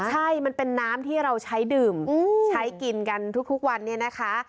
ใช่มันเป็นน้ำที่เราใช้ดื่มใช้กินกันทุกวันเนี่ยนะคะ